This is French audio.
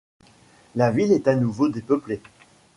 La ville est à nouveau dépeuplée.